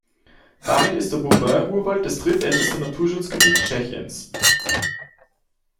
Damit ist der Boubín-Urwald das drittälteste Naturschutzgebiet Tschechiens.